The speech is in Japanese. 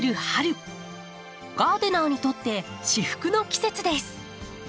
ガーデナーにとって至福の季節です。